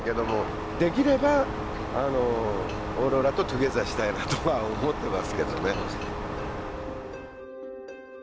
できればオーロラとトゥギャザーしたいなとは思ってますけどね。